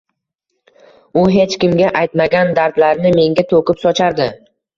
U hech kimga aytmagan dardlarini menga to`kib sochardi